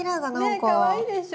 かわいいでしょ。